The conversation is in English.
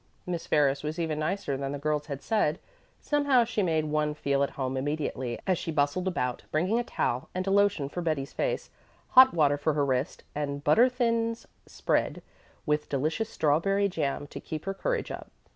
Miss Ferris was even nicer than the girls had said. Somehow she made one feel at home immediately as she bustled about bringing a towel and a lotion for Betty's face, hot water for her wrist, and "butter thins" spread with delicious strawberry jam to keep her courage up.